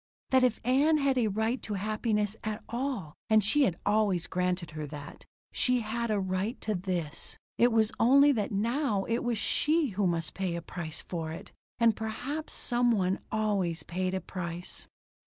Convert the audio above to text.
That if Ann had a right to happiness at all and she had always granted her that she had a right to this. It was only that now it was she who must pay a price for it. And perhaps some one always paid a price. "Ann?"